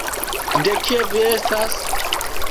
De kie vi estas?